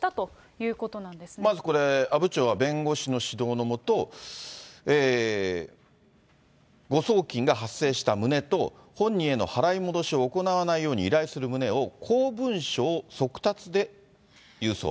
まずこれ、阿武町が弁護士の指導の下、誤送金が発生した旨と、本人への払い戻しを行わないように依頼する旨を公文書を速達で郵送。